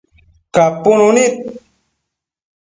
capunu nid